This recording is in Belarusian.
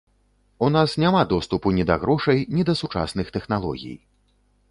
У нас няма доступу ні да грошай, ні да сучасных тэхналогій.